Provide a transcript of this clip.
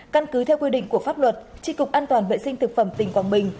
căn cứ theo quy định của pháp luật tri cục an toàn vệ sinh thực phẩm tỉnh quảng bình